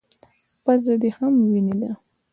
_پزه دې هم وينې ده.